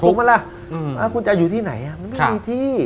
ก็คงมาแล้วว่าคุณจะอยู่ที่ไหนมันไม่มีที่